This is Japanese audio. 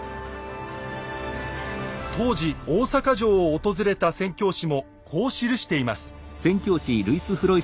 当時大坂城を訪れた宣教師もこう記しています。